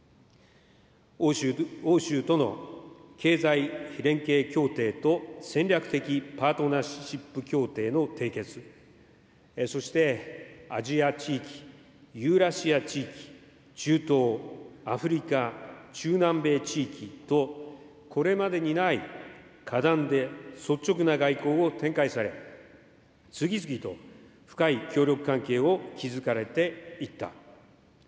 欧州との経済連携協定と戦略的パートナーシップ協定の締結、そしてアジア地域、ユーラシア地域、中東、アフリカ、中南米地域と、これまでにない果断で率直な外交を展開され、次々と深い協力関係を築かれていった。